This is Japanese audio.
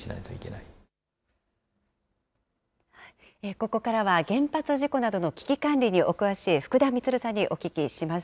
ここからは原発事故などの危機管理にお詳しい福田充さんにお聞きします。